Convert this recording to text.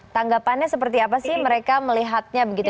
tanggapannya seperti apa sih mereka melihatnya begitu